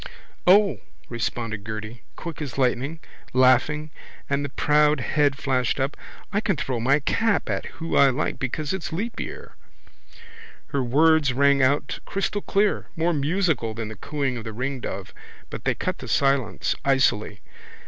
—O, responded Gerty, quick as lightning, laughing, and the proud head flashed up. I can throw my cap at who I like because it's leap year. Her words rang out crystalclear, more musical than the cooing of the ringdove, but they cut the silence icily.